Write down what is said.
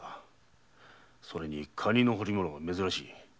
それにカニの彫り物が珍しい。